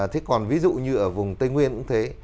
thế còn ví dụ như ở vùng tây nguyên cũng thế